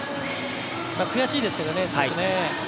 悔しいですけどね、すごく。